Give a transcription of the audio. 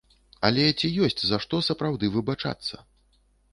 Але ці ёсць за што сапраўды выбачацца?